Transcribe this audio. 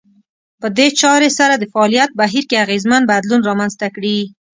په دې چارې سره د فعاليت بهير کې اغېزمن بدلون رامنځته کړي.